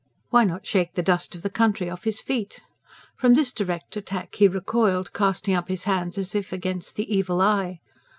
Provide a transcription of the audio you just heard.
Why not shake the dust of the country off his feet? From this direct attack he recoiled, casting up his hands as if against the evil eye.